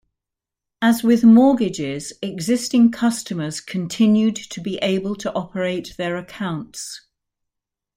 As with mortgages, existing customers continued to be able to operate their accounts.